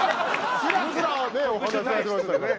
スラスラねお話しされてましたけど。